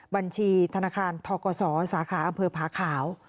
บัญชีธนาคารทกศสาขาอำเภอผาขาว